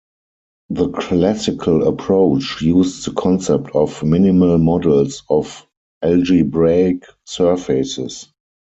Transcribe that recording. The classical approach used the concept of minimal models of algebraic surfaces.